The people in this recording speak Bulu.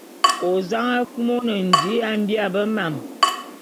Ozang akum one ndi ya mbia bé mam.